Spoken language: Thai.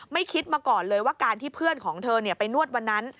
คิดมาก่อนเลยว่าการที่เพื่อนของเธอไปนวดวันนั้น